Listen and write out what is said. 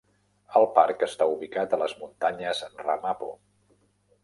El parc està ubicat a les muntanyes Ramapo.